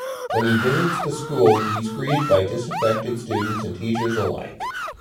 When he visits the school, he's greeted by disaffected students and teachers alike.